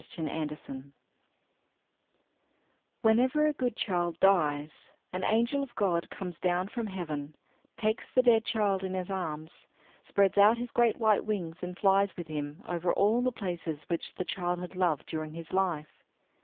THE ANGEL "Whenever a good child dies, an angel of God comes down from heaven, takes the dead child in his arms, spreads out his great white wings, and flies with him over all the places which the child had loved during his life.